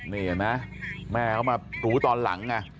นี่เห็นไหมแม่เขามารู้ตอนหลังไง